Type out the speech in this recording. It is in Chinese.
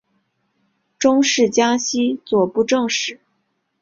终仕江西左布政使。